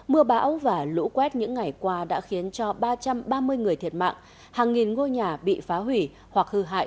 mưa bão và lũ quét những ngày qua đã khiến cho ba trăm ba mươi người thiệt mạng hàng nghìn ngôi nhà bị phá hủy hoặc hư hại